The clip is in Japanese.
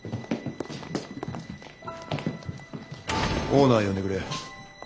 オーナー呼んでくれ。